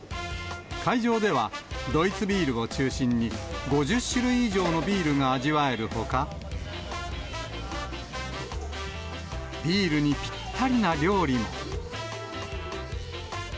会場では、ドイツビールを中心に、５０種類以上のビールが味わえるほか、ビールにぴったりな料理も。